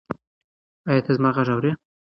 ایا ته زما غږ اورې؟